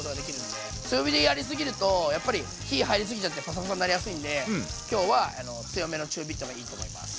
強火でやりすぎるとやっぱり火入りすぎちゃってパサパサになりやすいんで今日は強めの中火がいいと思います。